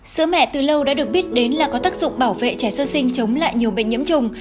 sữa mẹ từ lâu đã được biết đến là có tác dụng bảo vệ trẻ sơ sinh chống lại nhiều bệnh nhiễm trùng